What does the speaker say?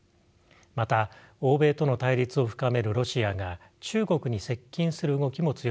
また欧米との対立を深めるロシアが中国に接近する動きも強まるでしょう。